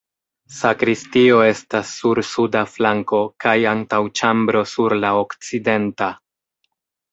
Sakristio estas sur suda flanko kaj antaŭĉambro sur la okcidenta.